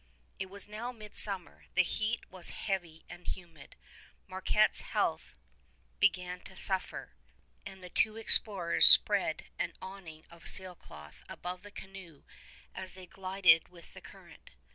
It was now midsummer. The heat was heavy and humid. Marquette's health began to suffer, and the two explorers spread an awning of sailcloth above the canoe as they glided with the current.